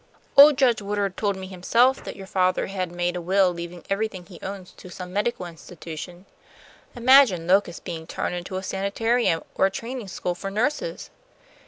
Old Judge Woodard told me himself that your father had made a will, leaving everything he owns to some medical institution. Imagine Locust being turned into a sanitarium or a training school for nurses!"